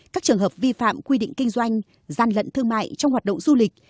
các trường hợp vi phạm quy định kinh doanh gian lận thương mại trong hoạt động du lịch